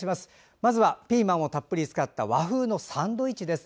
まずはピーマンをたっぷり使った和風のサンドイッチです。